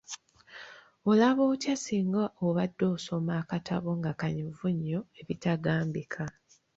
Olaba otya singa obadde osoma akatabo nga kanyuvu nnyo ebitagambika?